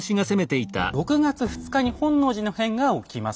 ６月２日に本能寺の変が起きます。